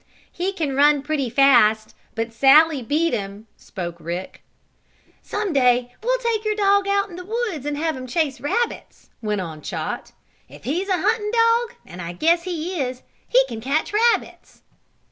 "He can run pretty fast, but Sallie beat him," spoke Rick. "Some day we'll take your dog out in the woods and have him chase rabbits," went on Chot. "If he's a hunting dog, and I guess he is, he can catch rabbits."